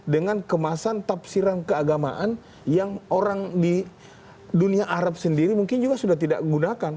dengan kemasan tafsiran keagamaan yang orang di dunia arab sendiri mungkin juga sudah tidak gunakan